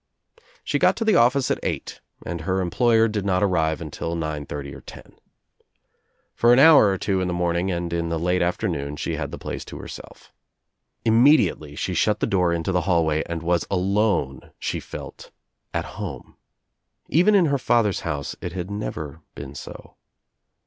She got to the office at eight and her employer did 2l6 THE TRIUMPH OF THE EGG not arrive until nine thirty or ten. For an hour or two In the morning and in the late afternoon she had the place to herself. Immediately she shut the door into the hallway and was alone she felt at home. Even in her father's house it had never been so.